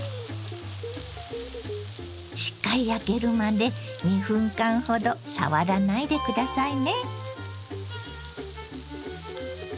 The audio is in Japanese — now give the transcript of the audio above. しっかり焼けるまで２分間ほど触らないで下さいね。